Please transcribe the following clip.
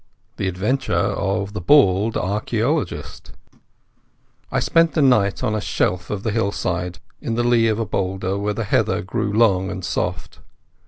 The Adventure of the Bald Archaeologist I spent the night on a shelf of the hillside, in the lee of a boulder where the heather grew long and soft.